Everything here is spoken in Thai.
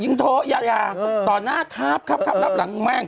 ยังโทรอย่าต่อหน้าทัพครับรับหลังแม่ง